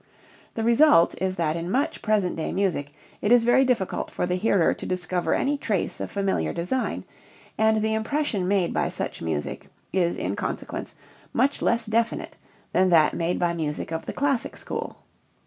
The result is that in much present day music it is very difficult for the hearer to discover any trace of familiar design, and the impression made by such music is in consequence much less definite than that made by music of the classic school.